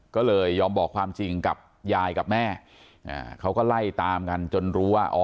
ก็เลยยอมบอกความจริงกับยายกับแม่เขาก็ไล่ตามกันจนรู้ว่าอ๋อ